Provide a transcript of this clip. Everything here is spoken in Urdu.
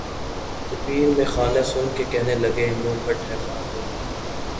تو پیر مے خانہ سن کے کہنے لگا کہ منہ پھٹ ہے خار ہوگا